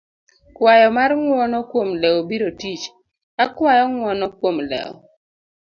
kwayo mar ng'uono kuom lewo biro tich, akwayo ng'uono kuom lewo